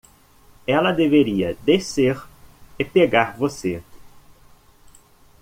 Ela deveria descer e pegar você.